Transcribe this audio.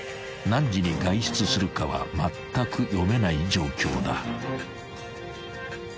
［何時に外出するかはまったく読めない状況だ］